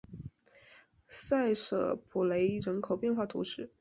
塞舍普雷人口变化图示